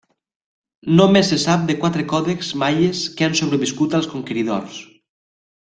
Només se sap de quatre còdexs maies que han sobreviscut als conqueridors.